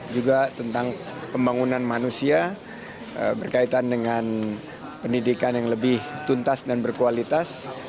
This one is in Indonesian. juga tentang pembangunan manusia berkaitan dengan pendidikan yang lebih tuntas dan berkualitas